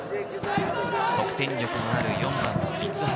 得点力のある４番の三橋。